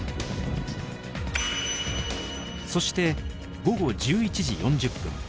そして午後１１時４０分。